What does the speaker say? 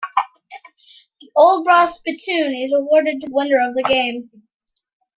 The Old Brass Spittoon is awarded to the winner of the game.